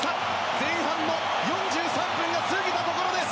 前半の４３分が過ぎたところです。